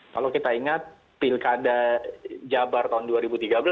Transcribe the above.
kalau kita ingat pilkada jabar tahun dua ribu tiga belas